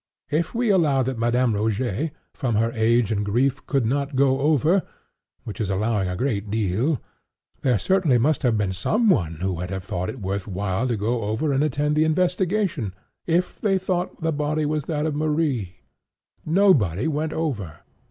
If we allow that Madame Rogêt, from her age and grief, could not go over, (which is allowing a great deal,) there certainly must have been some one who would have thought it worth while to go over and attend the investigation, if they thought the body was that of Marie. Nobody went over.